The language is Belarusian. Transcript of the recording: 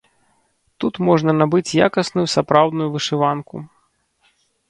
Тут можна набыць якасную сапраўдную вышыванку.